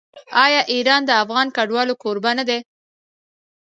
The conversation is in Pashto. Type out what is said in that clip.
آیا ایران د افغان کډوالو کوربه نه دی؟